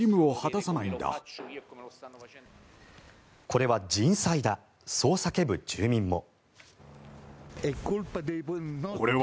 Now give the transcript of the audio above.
これは人災だそう叫ぶ住民も。